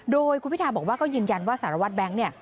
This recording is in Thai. โดยคุณพิทาบอกว่าก็ยืนยันว่าสารวัตรแบงค์เนี่ย